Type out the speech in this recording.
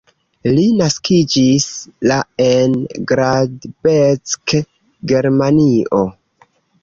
Li naskiĝis la en Gladbeck, Germanio.